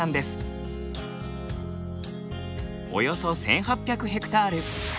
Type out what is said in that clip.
およそ１，８００ヘクタール。